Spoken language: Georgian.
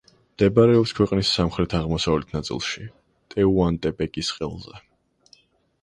მდებარეობს ქვეყნის სამხრეთ-აღმოსავლეთ ნაწილში, ტეუანტეპეკის ყელზე.